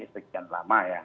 sudah lama ya